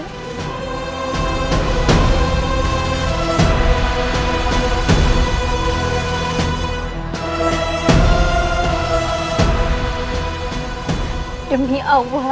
kami tidak mau kehilangan ayahanda